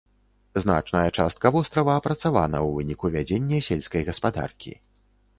Значная частка вострава апрацавана ў выніку вядзення сельскай гаспадаркі.